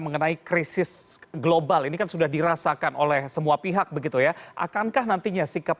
mengenai krisis global ini kan sudah dirasakan oleh semua pihak begitu ya akankah nantinya sikap